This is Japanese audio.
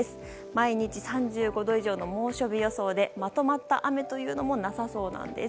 毎日３５度以上の猛暑日予想でまとまった雨というのもなさそうです。